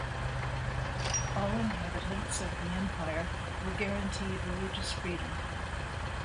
All inhabitants of the empire were guaranteed religious freedom.